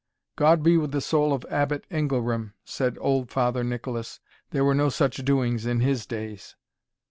"God be with the soul of Abbot Ingelram!" said old Father Nicholas, "there were no such doings in his days.